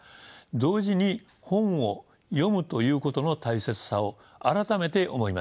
同時に本を読むということの大切さを改めて思いました。